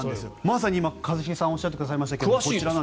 まさに今一茂さんがおっしゃいましたが。